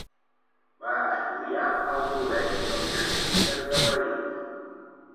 Va estudiar al col·legi dels jesuïtes de París.